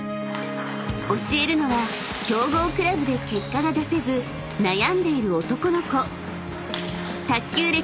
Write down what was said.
［教えるのは強豪クラブで結果が出せず悩んでいる男の子］